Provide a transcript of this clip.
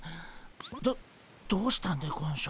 どどうしたんでゴンショ。